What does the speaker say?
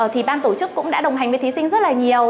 thì ban tổ chức cũng đã đồng hành với thí sinh rất là nhiều